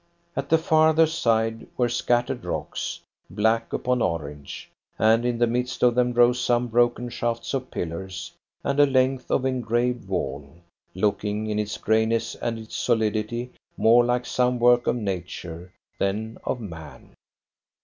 At the farther side were scattered rocks, black upon orange; and in the midst of them rose some broken shafts of pillars and a length of engraved wall, looking in its greyness and its solidity more like some work of Nature than of man.